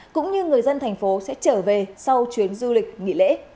cũng như người dân thành phố sẽ trở về sau chuyến du lịch nghỉ lễ